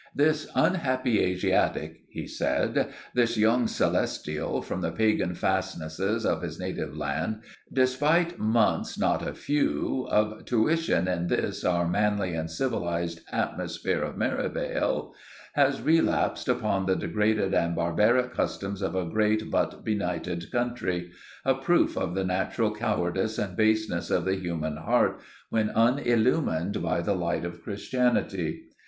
"This unhappy Asiatic," he said, "this young Celestial, from the pagan fastnesses of his native land, despite months not a few of tuition in this our manly and civilized atmosphere of Merivale, has relapsed upon the degraded and barbaric customs of a great but benighted country—a proof of the natural cowardice and baseness of the human heart when unillumined by the light of Christianity.